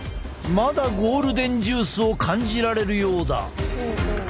まだゴールデンジュースを感じられるようだ。